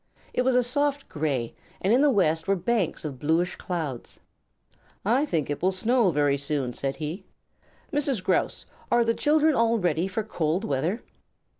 It was a soft gray, and in the west were banks of bluish clouds. "I think it will snow very soon," said he. "Mrs. Grouse, are the children all ready for cold weather?"